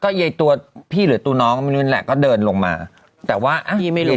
ก็ไอตัวพี่หรือตัวน้องไม่รู้น่ะก็เดินลงมาแต่ว่าไอ